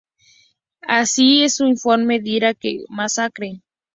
Así, en su informe dirá: "Quel massacre!